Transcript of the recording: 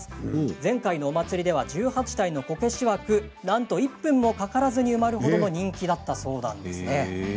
前回のお祭りでは１８体のこけし枠がなんと１分もかからずに埋まるほどの人気だったそうなんです。